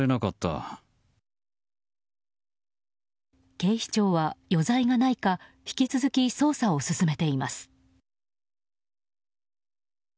警視庁は余罪がないか引き続き捜査を進めています。